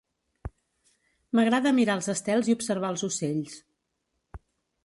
M'agrada mirar els estels i observar els ocells.